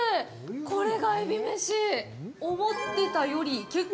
コレが「えびめし」